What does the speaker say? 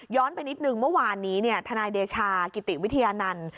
ไปนิดนึงเมื่อวานนี้ทนายเดชากิติวิทยานันต์